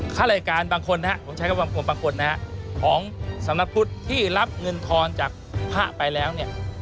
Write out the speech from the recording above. ข้ารายการบางคนนะฮะผมใช้คำว่าคนบางคนนะฮะของสำนักพุทธที่รับเงินทอนจากพระไปแล้วเนี่ย